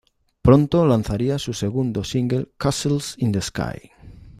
Pronto lanzaría su segundo single "Castles in the sky".